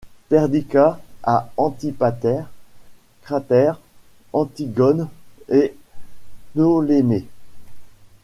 Perdiccas à Antipater, Cratère, Antigone et Ptolémée.